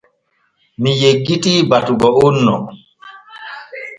Mi yeggitii batugo on no.